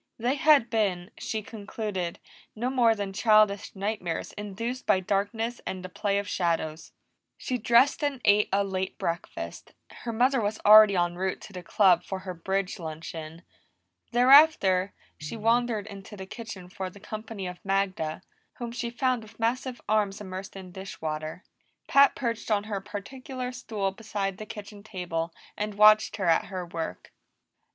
They had been, she concluded, no more than childish nightmares induced by darkness and the play of shadows. She dressed and ate a late breakfast; her mother was already en route to the Club for her bridge luncheon. Thereafter, she wandered into the kitchen for the company of Magda, whom she found with massive arms immersed in dish water. Pat perched on her particular stool beside the kitchen table and watched her at her work.